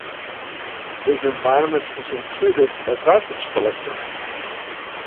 These environments also included a garbage collector.